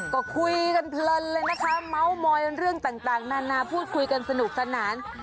ก็คุยกันเพลินเลยนะคะเมาส์มอยเรื่องต่างนานาพูดคุยกันสนุกสนาน